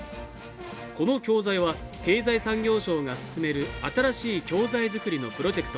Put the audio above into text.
この教材は経済産業省が進める新しい教材作りのプロジェクト